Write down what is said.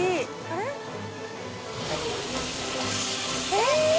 えっ！